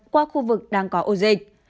qua khu vực đang có ổ dịch